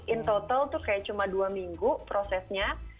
in total tuh kayak cuma dua minggu prosesnya